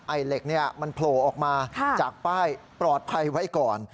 ไอ้เหล็กมันโผล่ออกมาจากป้ายปลอดภัยไว้ก่อน